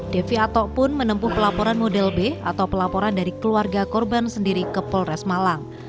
devi ato pun menempuh pelaporan model b atau pelaporan dari keluarga korban sendiri ke polres malang